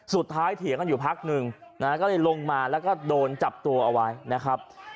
สุดท้ายเถียงกันอยู่พักนึงก็เลยลงมาแล้วก็โดนจับตัวเอาไว้นะครับ